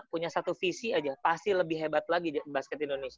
punya satu visi aja pasti lebih hebat lagi basket indonesia